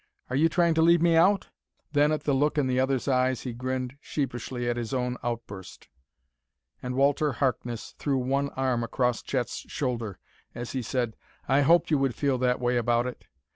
"Are you trying to leave me out?" Then at the look in the other's eyes he grinned sheepishly at his own outburst. And Walter Harkness threw one arm across Chet's shoulder as he said; "I hoped you would feel that way about it.